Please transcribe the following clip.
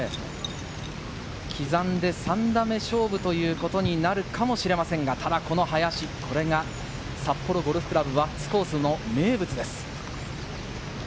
刻んで３打目勝負ということになるかもしれませんが、ただこの林、これが札幌ゴルフ倶楽部・輪厚コースの名物です。